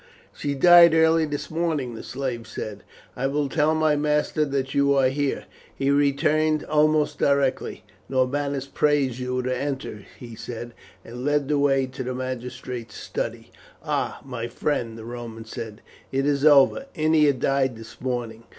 "She died early this morning," the slave said. "I will tell my master that you are here." He returned almost directly. "Norbanus prays you to enter," he said, and led the way to the magistrate's study. "Ah, my friend," the Roman said, "it is over! Ennia died this morning.